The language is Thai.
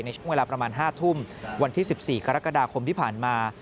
ช่วงเวลาประมาณ๕ทุ่มวันที่๑๔กรกฎาคมที่ผ่านมา